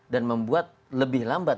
dan membuat lebih lambat